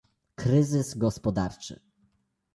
Kryzys gospodarczy